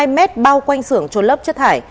hai m bao quanh sưởng trôn lấp chất thải